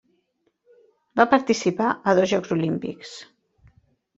Va participar a dos Jocs Olímpics.